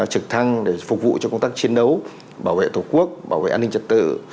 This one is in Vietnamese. trực thăng để phục vụ cho công tác chiến đấu bảo vệ tổ quốc bảo vệ an ninh trật tự